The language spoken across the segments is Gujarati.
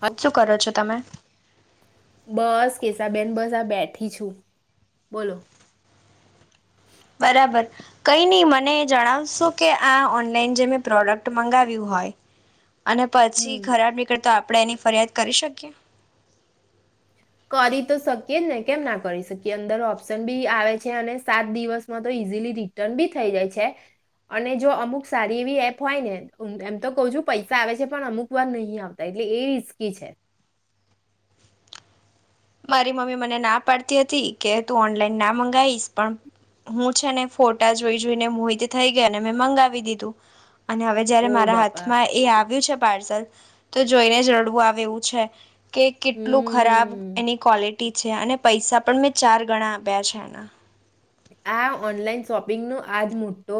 હ શું કરો છો તમે? બસ કેશાબેન બસ આ બેઠી છું બોલો. કઈ નહી મને જણાવશો કે આ ઓનલાઈન જે મેં પ્રોડક્ટ મંગાવ્યું હોય અને પછી હમ ખરાબ નીકળે. તો આપણે એની ફરિયાદ કરી શકીએ. કરી તો શકીએ જ ને કેમ ના કરી શકીએ અંદર ઓપ્શન બી આવે છે અને સાત દિવસમાં તો ઈઝીલી રિટર્ન બી થઈ જાય છે અને જો અમુક સારી એવી એપ હોય ને એમ તો કવ છું પૈસા આવે છે પણ અમુક વાર નહી આવતા એટલે એ રિસ્કી છે. મારી મમ્મી મને ના પાડતી હતી કે તું ઓનલાઈન ના મંગાવીશ પણ હું છે ને ફોટા જોઈ જોઈને મોહિત થઈ ગયા અને મેં મંગાવી દીધું. અને હવે જયારે ઓ મારા બાપા હાથમાં એ આવ્યું છે પાર્સલ તો જોઈને જ રડું આવે એવું છે. કે કેટલું ખરાબ હમ ની ક્લિટી છે અને પૈસા પણ મેં ચાર ગણા આપ્યા છે એના. હા, ઓનલાઈન શોપિંગનો આજ મોટો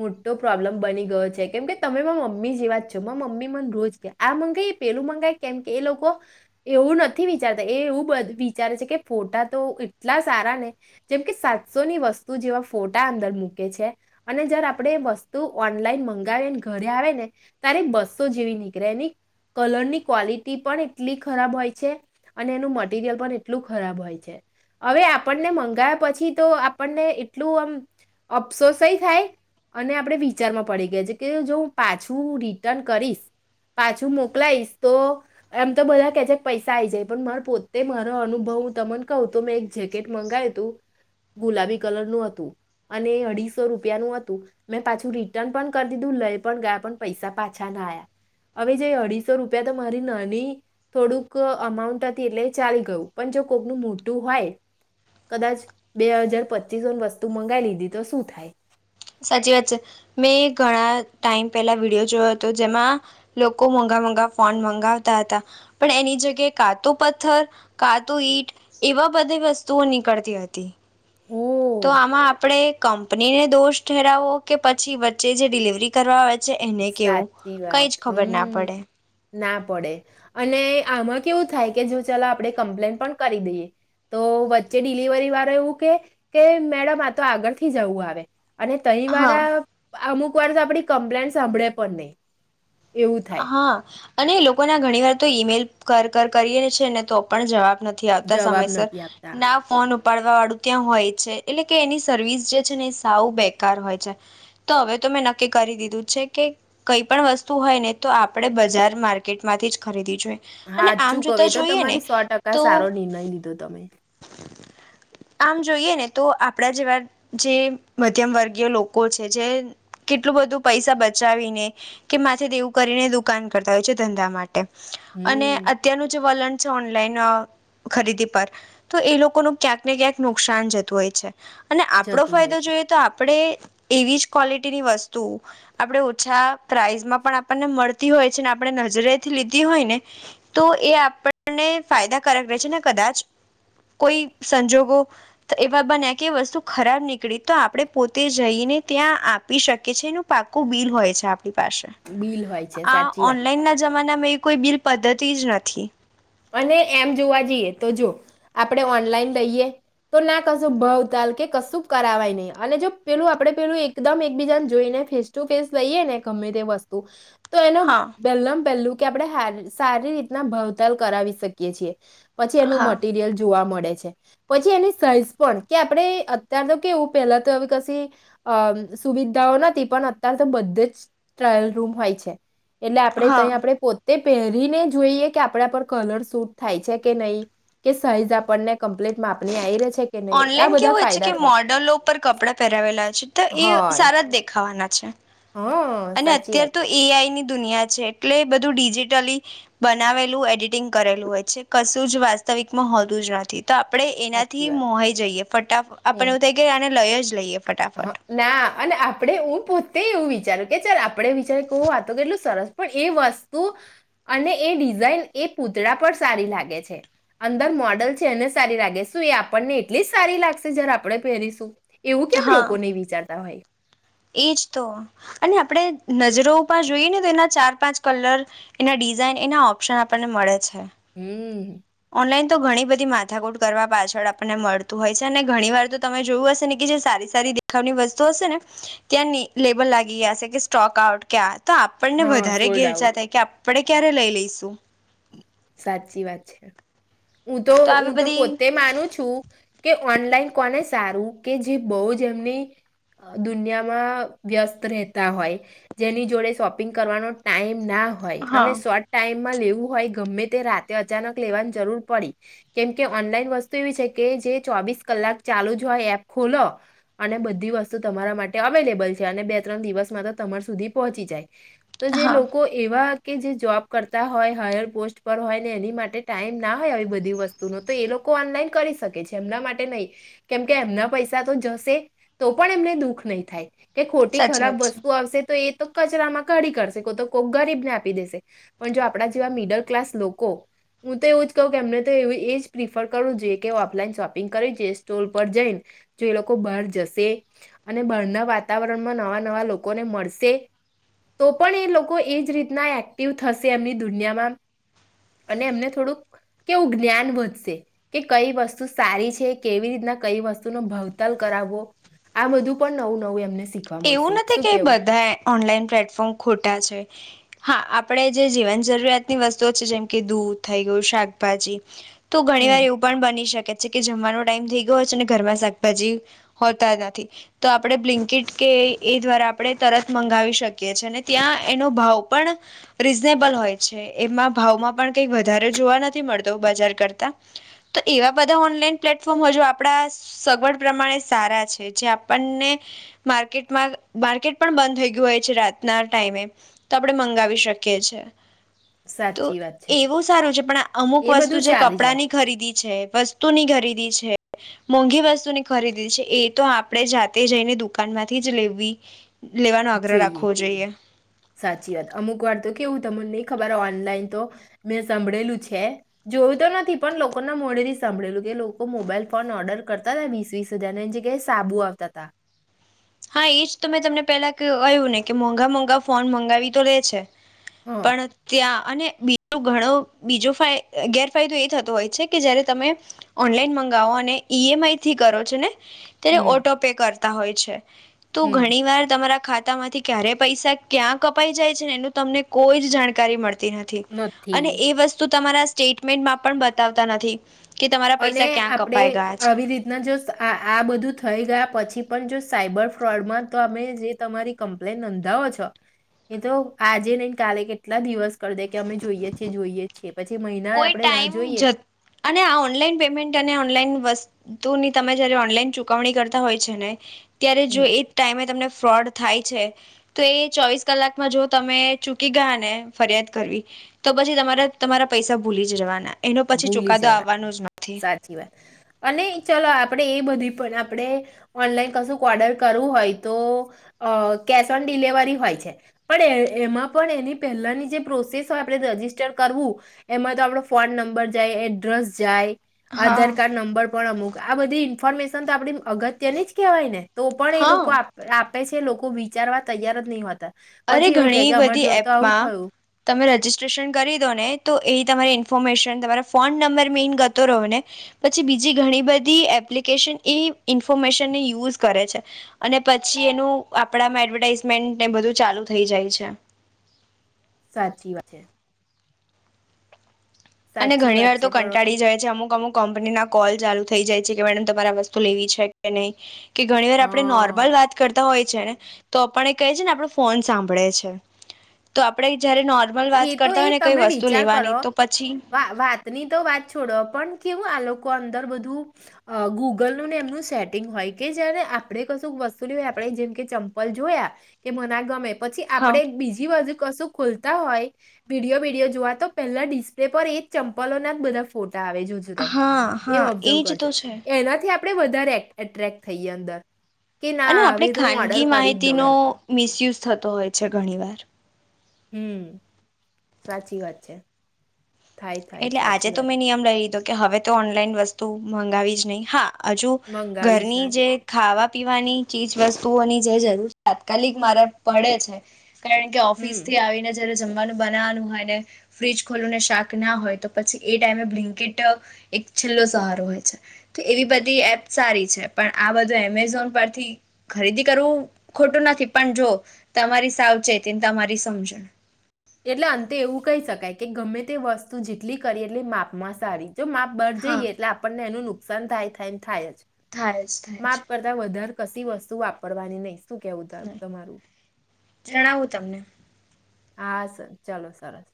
મોટો પ્રોબ્લમ બની ગયો છે, કેમકે તમે મમ્મી જેવા જ છો, મમ્મી મને રોજ કે આ મંગાઈ એ પેલું મંગાય કેમ કે એ લોકો એવું નથી વિચારતા એ એવું વિચારે છે કે ફોટા તો એટલા સારા ને જેમકે સાચ બસોની વસ્તુ જેવા ફોટા અંદર મૂકે છે અને જયારે આપણે વસ્તુ ઓનલાઈન મંગાવી અને ઘરે આવે ને ત્યારે બસો જેવી નીકળે એની કલરની ક્વોલિટી પણ એટલી ખરાબ હોય છે અને એનું મટરિયલ પણ એટલું ખરાબ હોય છે. હવે આપણને મંગાવ્યા પછી તો આપણને એટલું આમ અફસોસ થાય અને આપણે વિચારમાં પડી ગયા છે, કે જો હું પાછું રિટર્ન કરીશ પાછું મોકલાઈશ તો એમ તો બધા કે છે પૈસા આ આવી જાય, પણ મા પોતે મારો અનુભવ હું તમને કહું તો મેં એક જેકેટ મંગાવ્યું તું ગુલાબી કલર નું હતું અને અઢીસો રૂપિયાનું હતું, મેં પાછું રિટર્ન પણ કરી દીધું લઈ પણ ગયા પણ પૈસા પાછા ના આયા. હવે જે અઢીસો રૂપિયા તો મારી નાની થોડુંક અમાઉન્ટ હતી એટલે ચાલી ગયું પણ જો કોકનું મોટું હોય કદાચ બે હાજાર પચીસોની વસ્તુ મંગાવી લીધી, તો શું થાય. સાચી વાત છે મેં ઘણા ટાઈમ પેલા વિડીયો જોયો હતો, જેમાં લોકો મોઘા મોઘા ફોન મંગાવતા હતા પણ એની જગ્યાએ કા તો પથ્થર કા તો ઈટ એવા બધી વસ્તુઓ નીકળતી હતી. ઓ તો આમાં આપણે કંપનીને દોષ ઠેરાવો કે પછી વચ્ચે જે ડિલિવરી કરવા આવે એને કેવું, સાચી વાત કઈજ ખબર ના હમ પડે ના પડે અને આમાં કેવું થાય કે જો ચાલો આપડે કમ્પ્લેન પણ કરી દઈએ, તો વચ્ચે ડિલિવરી વાળા એવું કે કે મેડમ આ તો આગળ થી જવું આવે અને તઈ હા વારા અમુક [unintelligible] આપડી કમ્પ્લેન્ટ્સ સાંભળે પણ નઈ હા. અને એ લોકોના ઘણી વાર તો ઈમેલ કર કર કરીએ છે ને તો પણ જવાબ નથી આવતા જવાબ સમયસર નથી આપતા ના ફોન ઉપ પાડવા વાળું ત્યાં હોય છે, એટલે કે એની સર્વિસ જે છે ને એ સાવ બેકાર હોય છે, તો અવે ત મેં નક્કી કરી દીધું છે કે કઈ પણ વસ્તુ હોય ને તો આપડે બજાર માર્કેટમાંથી જ ખરીદી હાચું કવ એતો તમારી સો ટકા તો સારો નિર્ણય લીધો તમે. આમ જોઈએ ને તો આપડા જેવા જે મધ્યમ વર્ગીય લોકો છે જે કેટલું બધું પૈસા બચાવીને કે માથે દેવું કરીને દુકાન કરતા હોય છે, ધંધા મા ટે અને હમ અત્યારનું જે વલણ ચ ઓનલાઈન ખરીદી પર તો એ લોકો નુ ક્યાંક ને ક્યાંક નુકસાન જતું હોય છે. અને આપડો જતું હોય ફાયદો છે જોઈએ તો આપડે એવીજ ક્વોલિટીની વસ્તુ આપડે ઓછા પ્રાઇઝમાં પણ આપ પણને મળતી હોય છે ને આપડે નજરેથી લીધી હોય ને, તો એ આપણને ફાયદાકારક રહે છે ને કદાચ કોઈ સંજોગો એવા બન્યા કે વસ્તુ ખરાબ નીકળી, તો આપડે પોતે જઈને ત્યાં આપી શકીએ છીએ એનું પાકું બિલ હોય છે આપડી પાસે. બિલ હોય છે સાચી વાત માનામાં એ કોઈ બિલ પદ્ધતિજ નથી. અને એમ જોવા જઈએ તો જો આપડે ઓનલાઈન લઈએ તો ના કશું ભવ તાલ કે કશું કરાવાય નહી અને જો પેલું આપડે પેલું એકદમ એકબીજાને જોઈને ફેસ ટુ ફેસ લઈએ ને ગમે તે વસ્તુ તો એનો હા પેલમ પેલ્લું કે આપડે હેલ સારી રીતના ભાવતાલ કરાવી શકીએ છીએ. પછી એનું હા મટીરિયલ જોવા મ ડે છે, પછી એ ને સાઈઝ પણ કે આપડે અત્યાર તો કેવું પેલા તો હવે કશી અમ સુવિધાઓ નથી પણ અત્યાર તો બધે જ ટ્રાયલ રૂમ હોય છે. એટલે આપડે હા તઈ આપડે પો તે પહેરીને જોઈએ કે આપડા પર કલર સૂટ થાય છે કે નઈ કે સાઈઝ આપણને કમ્પ્લેટ માપની આઈ રે છે કે નહીં આ ઓનલાઈન બધા કેવું હોય છે ફાયદા કે થાય મોડલો ઉપર કપડાં પેહરાવેલા છે, તો એ હોય સારા જ દેખાવાના. છે હા અને સાચી અત્યાર વાત તો છે એ આઈ ની દુનિયા છે, એટલે એ બધું ડિજિટલી બનાવેલું એડિટિંગ કરેલું હોય છે. કશું જ વાસ્તવિકમાં હોતું જ નથી. તો આપડે એનાથી સાચી થી વાત મોહાઈ જઈએ ફટા ફ આપણુ થઈ ગય આને લઈ જ લઈએ હ, ફટાફટ ના અને આપડે હું પોત તે એવું વિચાર્યું કે ચલ આપડે વિચારી કો વાતો કેટલું સરસ પણ એ વસ્તુ અને એ ડિઝાઈન એ પૂતળા પર સારી લાગે છે, અંદર મોડલ છે, એને સારી લાગે. શું એ આપણને એટલી જ સારી લાગશે? જ્યારે આપડે પેહરીશું. કેમ હા લોકો નહીં વિચારતા હોય. એજ તો અને આપડે નજરો ઉપ જોઈએ ને તો એના ચાર પાંચ કલર એના ડિઝાઈન એના ઓપ્શન આપણને મળે છે. હમ. ઓનલાઈન તો ઘણી બધી માથાકૂટ કરવા પાછળ આપણને મળતું હોય છે. અને ઘણી વાર તો તમે જોયું હશે ને કે જે સારી સારી દેખાવની વસ્તુ હશે ને ત્યાં ને લેબલ લાગી ગ્યા હશે કે સ્ટોક આઉટ કે આ તો આપણને હા વધારે સોલ્ડ આઉટ ઘેલચા થાય કે આપ પડે ક્યારે લઈ લઈશું. સાચી વાત છે. હું તો આવી હું તો બધી પોત્તે માનું છું કે ઓનલાઈન કોને સારું કે જે બહુ જ એમની અ ડુનિયામાં વ્યસ્ત રહેતા હોય. જેની જોડે શોપિંગ કરવાનો ટાઈમ ના હોય, હા અને શોર્ટ ટાઈમ માં લેવું હોય ગમે તે રાતે અચાનક લેવાન જરૂર પડી. કેમ કે ઓનલાઈન વસ્તુ એવી છે કે જે ચોવીસ કલાક ચાલુ જ હોય એપ ખોલો અને બધી વસ્તુ તમારા માટે અવેલેબલ છે, અને બે ત્રણ દિવસમાં તો તમાર સુધી પહોંચી જાય. તો જે હા લોકો એવા કે જે જોબ કરતા હોય હાયર પોસ્ટ પર્વ હોય એની માટે ટાઈમ ના હોય આવી બધી વસ્તુ, નો તો એ લોકો ઓનલાઈન કરી શકે છે, એમના માટે નહી. કેમ કે એમના પૈસા તો જશે તો પણ એમને દુઃખ નહી થાય. કે ખોટી સાચી ખરાબ વાત છે વસ્તુ આવશે તો એ તો કચરામાં કાઢી કાઢશે, કો તો કોક ગરીબને આપી દેશે, પણ જો આપણા જેવા મિડલ ક્લાસ લોકો હું તો એવું જ કહું કે એમને તો એવું એજ પ્રિફર કરવું જોઈએ, કે ઓફલાઈન શોપિંગ કરવી છે, સ્ટોલ પર જઈન. જો એ લોકો બહાર જશે અને બહારના વાતાવરણમાં નવા નવા લોકોને મળશે. તો પણ એ લોકો એજ રીતના એક્ટિવ થશે એમની દુનિયામાં. અને એમને થોડુંક કેવું જ્ઞાન વધશે કે કઈ વસ્તુ સારી છે કેવી રીતના કઈ વસ્તુનો ભાવતાલ કરાવવો. આ બધું પણ નવું નવું એમને શીખવા એવું મળશે નથી શું કે કેવું બધાય ઓનલાઈન પ્લેટફોર્મ ખોટા છે. હા, આપડે જે જીવન જરૂરિયાતની વસ્તુઓ છે, જેમ કે દૂધ થઈ ગયું શાકભાજી તો ઘણી હમ વાર એવું પણ બની શક કે છે કે જમવાનો ટાઈમ થઈ ગયો છે ને ઘરમાં શાકભાજી હોતા નથી. તો આપડે બ્લિન્કીટ કે એય એ દ્વારા આપડે તરત મંગાવી શકીએ છે, અને ત્યાં એનો ભાવ પણ રીઝનેબલ હોય છે. એમાં ભાવમાં પણ કંઈક વધારે જોવા નથી મળતો બજાર કરતા. તો એવા બધા ઓનલાઈન પ્લેટફોર્મ હો જો આપડા સગવડ પ્રમાણે સારા છે, જે આપણને માર્કેટમાં માર્કેટ પણ બંધ થઈ ગ્યું હોય છે રાતના ટાઈમે તો આપણે મંગાવી શકીએ છે. તો સાચી વાત છે એવું સારું છે, પણ આ અમુક એ વસ્તુ બધું જે ચાલી કપડાની જાય ખરીદી છે, વસ્તુની ખરીદી છે મોંઘી વસ્તુની ખરીદી છે, એ તો આપડે જાતે જઈને દુક કાનમાંથી જ લેવી આગ્રહ જોઈએ રાખવો સાચી વાત અમુક વાર તો કેવું તમને ખબર ઓનલાઈન તો મેં સંભળેલું છે જોયું તો નથી પણ લોકોના મોડેથી સંભળેલું કે લોકો મોબાઈલ ફોન ઓર્ડર કરતા હતા વીસ વીસ હજાર એ જગ્યાએ સાબુ આવતા તા. હા એજ તો મેં તમને પેલા ક-કહ્યું ને કે મોંઘા મોંઘા ફોન મંગાવી તો લે છે હં પણ ત્યાં અને બીટૂ ઘણો બીજો ગેરફાયદો એ થતો હોય છે કે જયારે તમે ઓનલાઈન મંગાવો અને ઈ એમ આઈ થી કરો છો ને તેને હમ ઓટો પે કર તા હોય છે. તો હમ ઘણી વાર તમારા ખાતા માંથી ક્યારે પૈસા ક્યાં કપાઈ જાય છે ને એનું તમને કોઈ જ જાણકારી મળ તેનાથી, અને નથી એ વસ્તુ તમારા સ્ટેટમેન્ટમાં પણ બતાવતા નથી કે તમારા અને પૈસા ક્યાં આપડે કપાઈ ગયા છે આવી રીતના જો આ-આ બધું થઈ ગયા પછી પન જો સાયબર ફ્રોડમાં તો અમે જે તમારી કમ્પ્લેન નોંધાવો છો, એ તો આજે નહી કાલે કેટલા દિવસ કરી દે કે અમે જોઈએ છીએ જોઈએ છીએ. પછી મહિના કોઈ આપણે રાહ ટાઈમ જોઈએ જત અને આ ઓન લાઈન પેમેન્ટ અને ઓનલાઈન વસ્તુની તમે જયારે ઓનલાઈન ચુકવણી કરતા હોય છે ને ત્યારે જો હમ, એ ટાઈમે તમને ફ્રોડ થાય છે. તો એ ચોવીસ કલાકમાં જો તમે ચૂકી ગયા ને ફરિયાદ કરવી, તો પછી તમારા તમારા પૈસા ભૂલીજ રવાના. ભૂલી જવાન સાચી વાત, અને ચલો આપણેે એ બધી પણ આપણે, ઓનલાઈન કશું ઓર્ડર કરવું હોય તો, અહ કેશ ઓન ડિલિવરી હોય છે. પણ એ-એમાં પણ એની પહેલાની જે પ્રોસેસ હોય આપણે રજસ્ટર કરવું, એમાં તો આપળો ફોન નં બર જાય, એડ્રેસ જાય હા આધાર કાર્ડ નંબર પણ અમુક આ બધી ઇન્ફોર્મેશન તો આપડી અગત્યની જ કહેવાય ને તો પણ એ હા લોકો આપ આપ આપે છે લોકો વિચારવા તૈયાર જ નહીં હોતા. અરે પછી એવું કહે ઘણી કે બધી અમારી જોડે તો આવું એપમાં, થયું તમે રજીિસ્ટ્રેશન કરી દો ને તો એ તમારી ઇન્ફોર્મેશન તમારા ફોન નંબર મે ઇન ગતો રહો ને, પછી બીજી ઘણી બધી એપ્લિકેશન એ ઇન્ફોર્મેશનને યુઝ કરે છે, અને પછી એનું આપણામાં, એડવર્ટાઈઝમેન્ટને બધું ચાલુ થઈ જાય છે. સાચી વા છે. અને સાચી ઘણી વાર વાત તો છે પણ હવે કંટાળી જાય છે અમુકમુક કંપનીના કોલ ચાલુ થ થઈ જાય છે કે મેડમ તમારે આ વસ્તુ લેવી છે કે નહી. કે ઘણી વાર આપડણે હા નોર્મલ વાત કરતા હોય છે ને, તો આપ એ ક છે ને આપ ફોન સાંભળે છે. તો આપણે જ્યારે નોર્મલ એ વાત તો કરતા હોય ને કંઈ વસ્તુ લેવાની તો પછી વા-વાતની તો વાત છોડો પણ કેવું આ લોકો અંદર બધું, અહ ગૂગલનુંને એમનું સેટિંગ હોય કે જયારે આપડણે કશું વસ્તુલી હોય આપણે જેમ કે ચંપલ જોયા, કે મને આ ગમે પછી હા આપડે એક બીજી બાજુ કસુ ખુલ ખુલતા હોય, વિડીયો વિડીયો જોવા તો પહેલા ડિસ્પ્લે પર એ જ ચંપલો ના બધા ફોટા આવે જોત જોતા હા એ હા ઓબ્ઝર્વ એજ કરજે, તો છે એનાથી આપ આપડે વધારે એટ્રેક્ટ થઈએ અંદર કે અને ના આપણે હવે તો હું ઓર્ડર ખાનગી કરી જ દઉં માહિતીનો એમ મિસયુઝ થતો હોય છે ઘણી વાર. હમમ સાચી વાત છે. થાય થાય એટલે આજે સાચી તો વાત મેં નિયમ લઈ લીધો. કે હવે તો ઓનલાઈન વસ્તુ મંગાવી જ નહી હા હજુ મંગાવી જ ના ઘરની જે જોઈએ ખાવા પીવાની ચીજ વસ્તુઓની જે જરૂર તાત્કાલિક મારે પડે છે કારણ કે હમ ઓફિસ થી આવીને જમવાનું બનાવાનું હોય ને ફ્રીજ ખોલું ને શાક ના હોય તો પછી એ ટાઈમે બ્લીન્કીટ એક છેલ્લો સહારો હોય છે તો એવી બધી એપ સારી છે પણ આ બધું એમેઝોન પરથી ખરીદી કરવું ખોટું નથી પણ જો તમારી સાવચેત તએ તમારી સમજણ. એટલે અંતે એવું કહી શકાય કે ગમે તે વસ્તુ જેટલી કરી એટલે માપમાં સારી. જો માપ બહાર હા જઈએ એટલે આપણને એનું નુ સંંધ થાય થાય ને થઠાયજ. થાય જ થાય જ કશી વસ્તુ વાપરવાની નહી. હમમ જણાવું તમને. હા સર ચાલો સરસ.